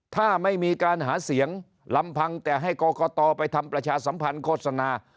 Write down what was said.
ถ้าไม่มีการหาเสียงลำพังแต่ให้กรกตไปทำประชาสัมพันธ์โฆษณา